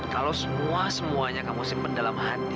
kalau semuanya kamu simpen dalam hati